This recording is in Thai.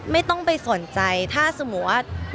ไม่ต้องไปสนใจถ้าสมมุติว่า